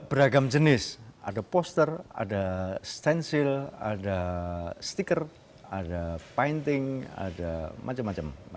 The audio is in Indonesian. ada beragam jenis ada poster ada stensil ada stiker ada painting ada macam macam